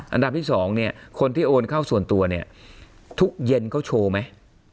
อันดับที่๒เนี่ยคนที่โอนเข้าส่วนตัวเนี่ยทุกเย็นเขาโชว์ไหม